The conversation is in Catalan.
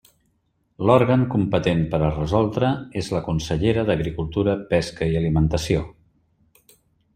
L'òrgan competent per a resoldre és la consellera d'Agricultura, Pesca i Alimentació.